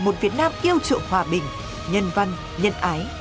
một việt nam yêu trượng hòa bình nhân văn nhân ái